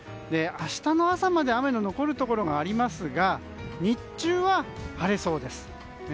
明日の朝まで雨の残るところがありますが、日中は晴れそうです。